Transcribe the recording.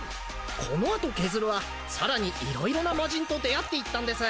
このあとケズルはさらにいろいろなマジンと出会っていったんです